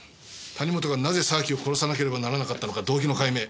谷本がなぜ沢木を殺さなければならなかったのか動機の解明。